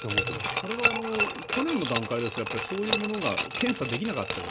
これは去年の段階でそういうものが検査できなかったです。